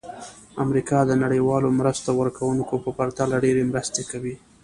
امریکا د نړیوالو مرسته ورکوونکو په پرتله ډېرې مرستې کوي.